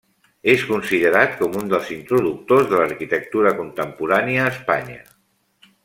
És considerat com un dels introductors de l'arquitectura contemporània a Espanya.